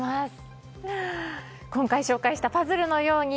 今回紹介したパズルのように